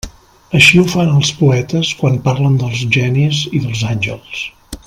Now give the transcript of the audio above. Així ho fan els poetes quan parlen dels genis i dels àngels.